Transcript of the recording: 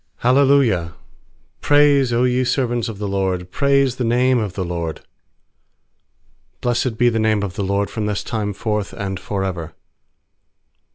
j. _L ci praise^ Q ye servants of the LORD, Praise the name of the LORD. ^Blessed be the name of the LORD From this time forth and for ever.